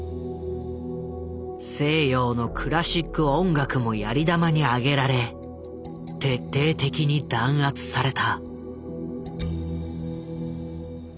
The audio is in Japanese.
西洋のクラシック音楽もやり玉に挙げられ徹底的に弾圧された。